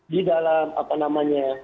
di dalam apa namanya